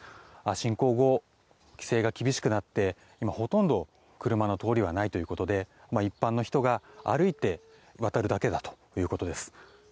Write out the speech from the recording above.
侵攻後、規制が厳しくなって今、ほとんど車の通りはないということで一般の人が歩いて渡るだけだということです。